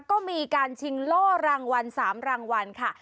ก็มีการชิงโล่รางวัล๓รางวัลค่ะ